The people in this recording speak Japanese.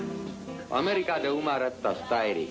アメリカで生まれたスタイリー。